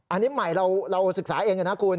อันนี้ใหม่เราศึกษาเองนะคุณ